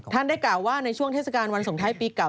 ได้กล่าวว่าในช่วงเทศกาลวันสงท้ายปีเก่า